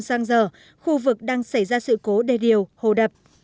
đang giờ khu vực đang xảy ra sự cố đe điều hồ đập